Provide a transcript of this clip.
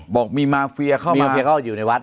บอกมีมาเฟียเข้ามามีมาเฟียเข้ามาอยู่ในวัด